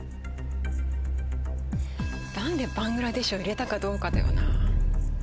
何でバングラデシュを入れたかどうかだよなぁ。